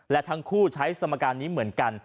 และทั้งคู่ใช้สมการนี้เหมือนกัน